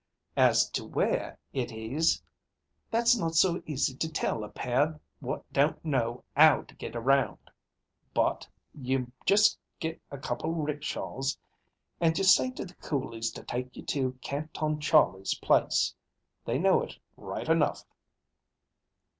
"As to where it is, that's not so easy to tell a pair what don't know 'ow to get around. But you just get a couple rickshaws, and you say to the coolies to take you to Canton Charlie's place. They know it, right enough."